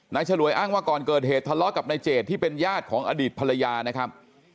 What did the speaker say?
ฉลวยอ้างว่าก่อนเกิดเหตุทะเลาะกับนายเจดที่เป็นญาติของอดีตภรรยานะครับ